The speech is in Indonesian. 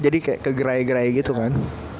jadi kayak kegerai gerai gitu kan